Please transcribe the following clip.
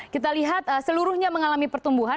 kita lihat seluruhnya mengalami pertumbuhan